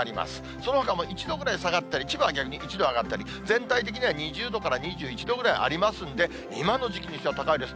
そのほかも１度ぐらい下がったり、千葉は逆に１度上がったり、全体的には２０度から２１度ぐらいありますんで、今の時期にしては高いです。